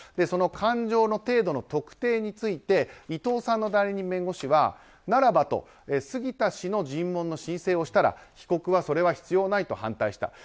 その感情の程度の特定について伊藤さんの代理人弁護士はならばと、杉田氏の尋問の申請をしたら被告はそれは必要ないと反対した。